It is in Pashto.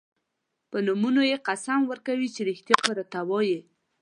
په نومونو یې قسم ورکوي چې رښتیا به راته وايي.